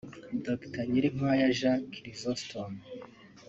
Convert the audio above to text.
Dr Nyirinkwaya Jean Chrysostome